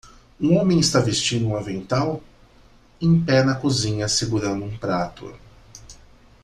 Um homem está vestindo um avental? em pé na cozinha segurando um prato.